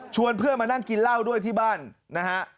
เพื่อนมานั่งกินเหล้าด้วยที่บ้านนะฮะ